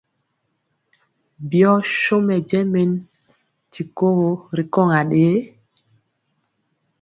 Byɔ so mɛjɛ men ti kogo ri kɔŋ aɗee?